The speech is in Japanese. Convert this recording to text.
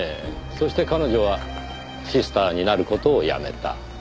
そして彼女はシスターになる事をやめた。